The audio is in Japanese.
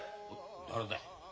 誰だい。